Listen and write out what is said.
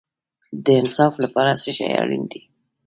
د انصاف لپاره څه شی اړین دی؟